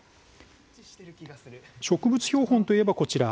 植物標本といえば、こちら。